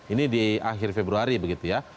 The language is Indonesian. ini di akhir februari begitu ya